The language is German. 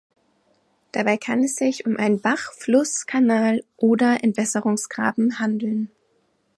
Dabei kann es sich um einen Bach, Fluss, Kanal oder Entwässerungsgraben handeln.